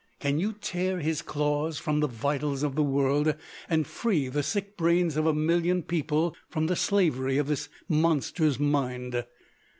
"Can you tear his claws from the vitals of the world, and free the sick brains of a million people from the slavery of this monster's mind?"